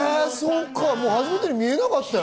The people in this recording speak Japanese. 初めてに見えなかったよ。